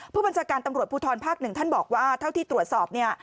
ผู้บัญชาการตำรวจภูทรภาคหนึ่งท่านบอกว่าเท่าที่ตรวจสอบเนี่ย